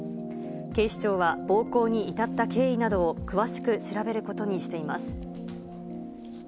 警視庁は、暴行に至った経緯などを詳しく調べることにしています。